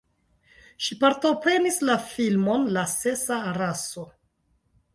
Ŝi partoprenis la filmon La sesa raso.